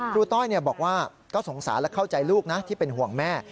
ต้อยบอกว่าก็สงสารและเข้าใจลูกนะที่เป็นห่วงแม่